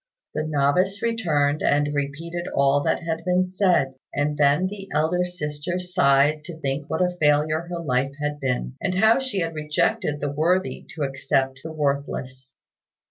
The novice returned and repeated all that had been said; and then the elder sister sighed to think what a failure her life had been, and how she had rejected the worthy to accept the worthless.